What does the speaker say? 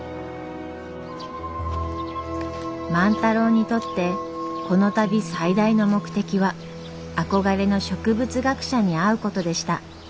万太郎にとってこの旅最大の目的は憧れの植物学者に会うことでした。